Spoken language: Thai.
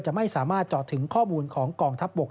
ไม่สามารถเจาะถึงข้อมูลของกองทัพบก